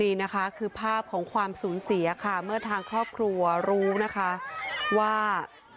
นี่นะคะคือภาพของความสูญเสียค่ะเมื่อทางครอบครัวรู้นะคะว่า